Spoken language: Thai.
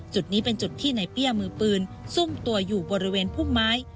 จุดนี้เป็นจุดที่ในเปี้ยมือปืนซุ่มตัวอยู่บริเวณพุ่มไม้